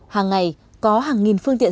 hàng ngày có hàng nghìn phương tiện